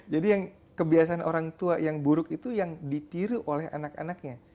jadi yang kebiasaan orang tua yang buruk itu yang ditiru oleh anak anaknya